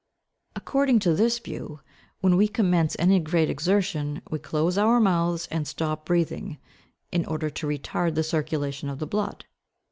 According to this view, when we commence any great exertion, we close our mouths and stop breathing, in order to retard the circulation of the blood.